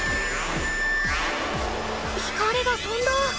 光がとんだ！